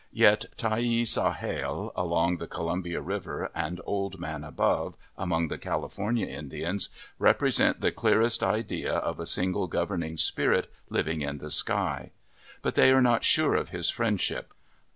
Yet Tyhee Sahale, along the Col umbia River, and Old Man Above, among the Cali fornia Indians, represent the clearest idea of a single governing spirit living in the sky. But they are not sure of his friendship.